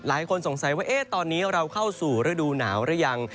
หลายคนสงสัยว่าตอนนี้เราเข้าสู่ฤดูหนาวหรือยัง